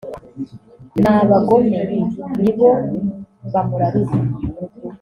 ni abagome nibo bamurarura